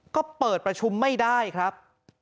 ก็เปิดประชุมไม่ได้ครับ